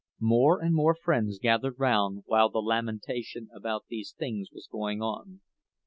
More and more friends gathered round while the lamentation about these things was going on.